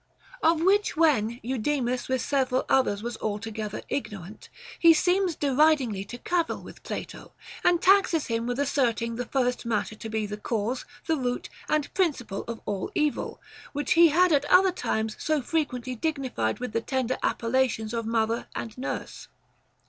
Of which when Eudemus with several others was alto gether ignorant, he seems deridingly to cavil with Plato, and taxes him with asserting the first matter to be the cause, the root, and principle of all evil, which he had at other times so frequently dignified with the tender appel lations of mother and nurse.